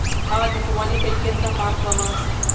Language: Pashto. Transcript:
هغه د ښوونې کيفيت ته پام کاوه.